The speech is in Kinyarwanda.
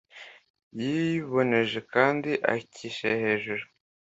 yiboneje kandi akishyira ejuru